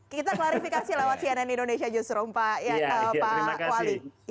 kita klarifikasi lewat cnn indonesia newsroom pak wali